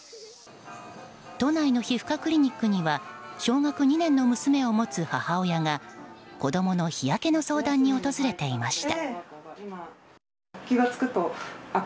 都内の皮膚科クリニックには小学２年の娘を持つ母親が子供の日焼けの相談に訪れていました。